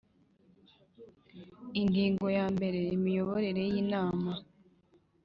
Ingingo ya mbere Imiyoborere y inama